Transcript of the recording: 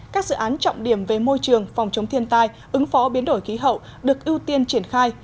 các dự án trọng điểm về môi trường phòng chống thiên tai ứng phó biến đổi khí hậu được ưu tiên triển khai